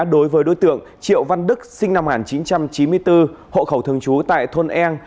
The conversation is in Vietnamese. đối với đối tượng triệu văn đức sinh năm một nghìn chín trăm chín mươi bốn hộ khẩu thường trú tại thôn eng